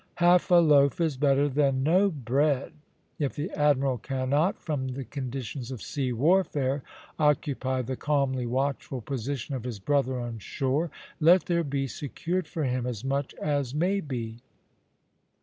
"Half a loaf is better than no bread;" if the admiral cannot, from the conditions of sea warfare, occupy the calmly watchful position of his brother on shore, let there be secured for him as much as may be.